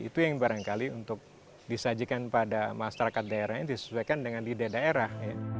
itu yang barangkali untuk disajikan pada masyarakat daerah yang disesuaikan dengan ide daerah